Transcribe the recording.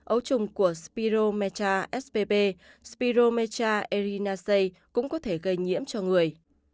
ấu trùng của spirometra spb spirometra erinaceae cũng có thể gây nhiễm cho người